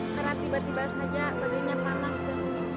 karena tiba tiba saja badannya panas dan unik